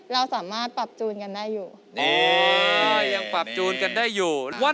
เราสามารถปรับจูนกันได้อยู่